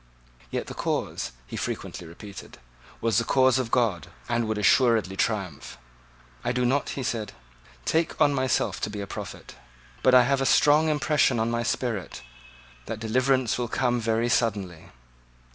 Yet the cause, he frequently repeated, was the cause of God, and would assuredly triumph. "I do not," he said, "take on myself to be a prophet. But I have a strong impression on my spirit, that deliverance will come very suddenly."